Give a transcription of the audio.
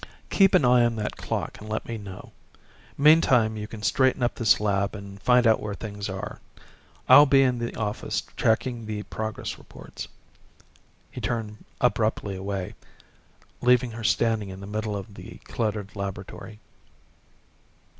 Keep an eye on that clock and let me know. Meantime you can straighten up this lab and find out where things are. I'll be in the office checking the progress reports." He turned abruptly away, leaving her standing in the middle of the cluttered laboratory.